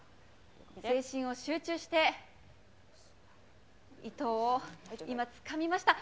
精神を集中して、糸を今、つかみました。